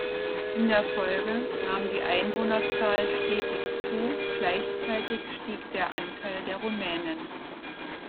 In der Folge nahm die Einwohnerzahl stetig zu, gleichzeitig stieg der Anteil der Rumänen.